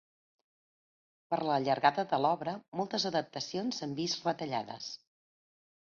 Per la llargada de l'obra, moltes adaptacions s'han vist retallades.